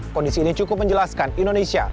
kondisi ini cukup menjelaskan indonesia